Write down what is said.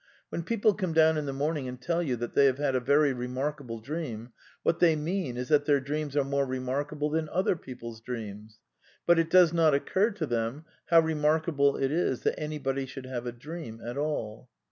When people come down in the morning and tell you that they have had a very remarkable dream, « what they mean is that their dreams are more remarkablrf"^ \ than other people's dreams ; but it does not occur to them how remarkable it is that anybody should have a dream at all.